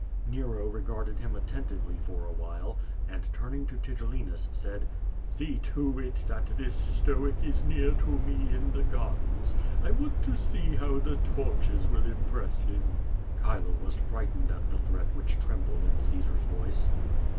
Nero regarded him attentively for awhile, and turning to Tigellinus, said: "See to it that this Stoic is near to me in the gardens. I want to see how the torches will impress him." Chile was frightened at the threat which trembled in Caesar's voice.